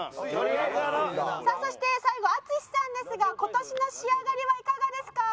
さあそして最後淳さんですが今年の仕上がりはいかがですか？